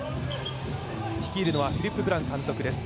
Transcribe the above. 率いるのはフィリップ・ブラン監督です。